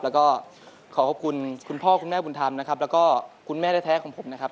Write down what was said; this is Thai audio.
แล้วก็ขอขอบคุณคุณพ่อคุณแม่บุญธรรมนะครับแล้วก็คุณแม่แท้ของผมนะครับ